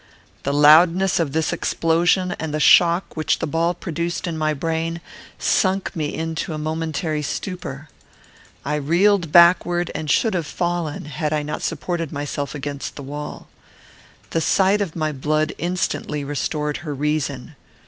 The loudness of this explosion, and the shock which the ball produced in my brain, sunk me into a momentary stupor. I reeled backward, and should have fallen, had not I supported myself against the wall. The sight of my blood instantly restored her reason.